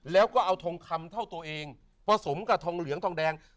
แล้วก็เอาทองคำเท่าตัวเองผสมกับทองเหลืองทองแดง